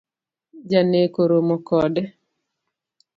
Janek oromo kode